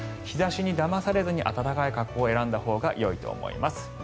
日差しにだまされずに暖かい格好を選んだほうがよいと思います。